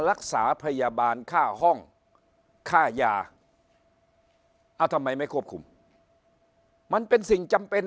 รักษาพยาบาลค่าห้องค่ายาทำไมไม่ควบคุมมันเป็นสิ่งจำเป็น